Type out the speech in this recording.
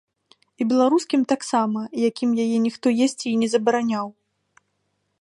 І беларускім таксама, якім яе ніхто есці і не забараняў.